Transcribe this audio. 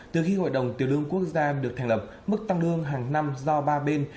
từ khi hội đồng tiền lương quốc gia được thành lập mức tăng lương hàng năm do ba bên